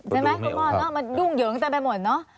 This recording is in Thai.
ใช่ไหมครับมันยุ่งเหยิงเต็มไปหมดเนอะ